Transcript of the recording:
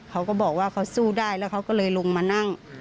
เขาก็บอกว่าเขาสู้ได้แล้วเขาก็เลยลงมานั่ง